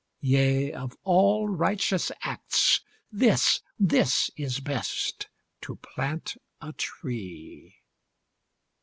Yea, of all righteous acts, this, this is best, To plant a tree.